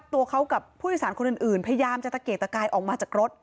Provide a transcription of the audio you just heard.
ตัวเขากับผู้โดยสารคนอื่นพยายามจะตะเกกตะกายออกมาจากรถ